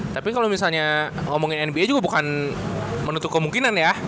tapi kalau misalnya ngomongin nba juga bukan menutup kemungkinan ya